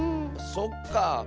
そっかあ。